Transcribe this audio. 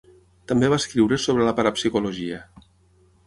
També va escriure sobre la parapsicologia.